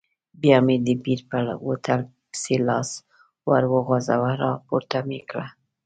بیا مې د بیر په بوتل پسې لاس وروغځاوه، راپورته مې کړ.